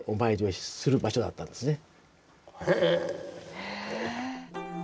へえ。